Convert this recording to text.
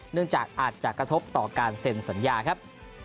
เนื่องจากอาจจะกระทบต่อการเซ็นสัญญาครับ